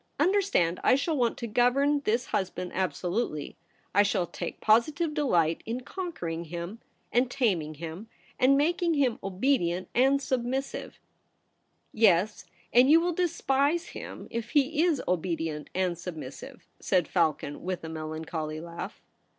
Understand, I shall want to govern this husband absolutely. I shall take positive delight in conquering him and taming him, and making him obedient and submissive '' Yes ; and you will despise him if he is obedient and submissive,' said Falcon, with a melancholy laugh.